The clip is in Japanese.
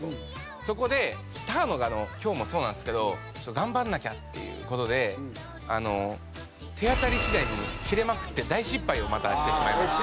そこで高野が今日もそうなんですけど頑張らなきゃっていう事で手当たり次第にキレまくって大失敗をまたしてしまいまして。